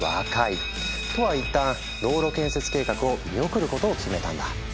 都は一旦道路建設計画を見送ることを決めたんだ。